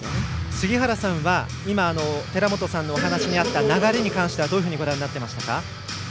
杉原さんは寺本さんのお話にあった流れに関しては、どういうふうにご覧になっていましたか？